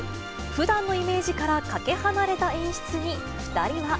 ふだんのイメージからかけ離れた演出に、２人は。